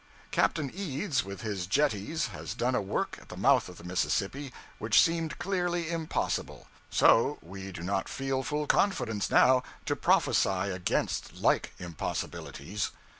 Captain Eads, with his jetties, has done a work at the mouth of the Mississippi which seemed clearly impossible; so we do not feel full confidence now to prophesy against like impossibilities.